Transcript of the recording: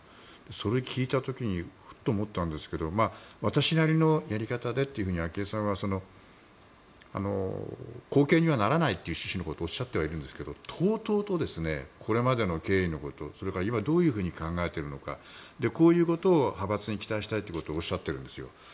それを聞いた時にふっと思ったんですが私なりのやり方でと昭恵さんは後継にはならないという趣旨のことをおっしゃっているんですがとうとうとこれまでの経緯のことそれから今、どういうふうに考えているのかこういうことを派閥に期待したいということをおっしゃっているんです。